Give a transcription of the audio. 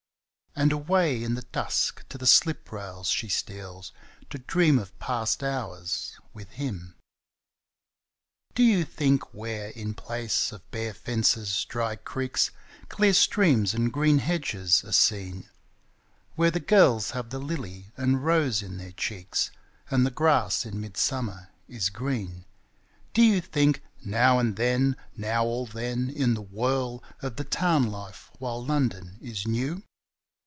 And away in the dusk to the slip rails she steals To dream of past hours ' with him.' Do you think, where, in place of bare fences, dry creeks. Clear streams and green hedges are seen — Where the girls have the lily and rose in their eheek% And the grass in mid summer is green — Do you think, now and then, now or then, in the whirl Of the town life, while London is new.